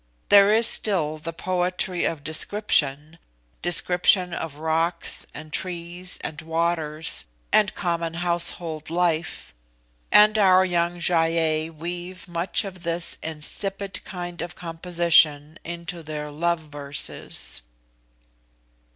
There is still the poetry of description description of rocks, and trees, and waters, and common household life; and our young Gy ei weave much of this insipid kind of composition into their love verses."